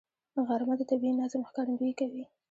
غرمه د طبیعي نظم ښکارندویي کوي